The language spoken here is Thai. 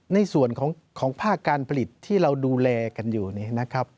ในส่วนของภาคการผลิตที่เราดูแลกันอยู่เนี่ยนะครับ